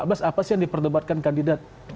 dua ribu empat belas apa sih yang diperdebatkan kandidat